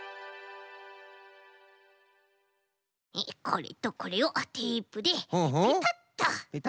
これとこれをテープでぺたっと。